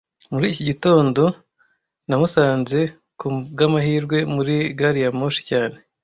Muri iki gitondo, namusanze ku bw'amahirwe muri gari ya moshi cyane